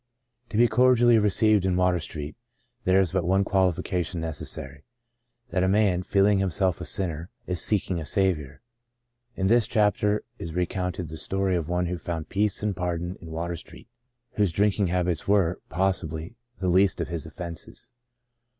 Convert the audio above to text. To be cordially received in Water Street, there is but one qualification necessary — that a man, feeling himself a sinner, is seeking a Saviour. In this chapter is recounted the story of one who found peace and pardon in Water Street, whose drinking habits were, 96 Sons of Ishmael 97 possibly, the least of his offenses.